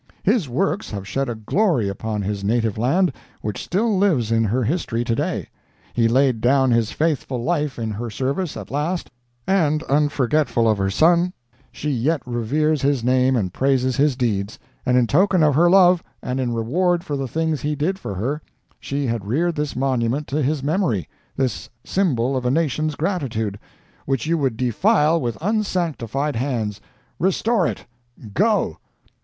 His works have shed a glory upon his native land which still lives in her history to day; he laid down his faithful life in her service at last and unforgetful of her son, she yet reveres his name and praises his deeds—and in token of her love, and in reward for the things he did for her, she had reared this monument to his memory—this symbol of a nation's gratitude—which you would defile with unsanctified hands. Restore it—go!"